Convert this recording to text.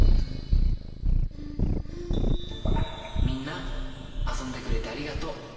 みんな遊んでくれてありがとう。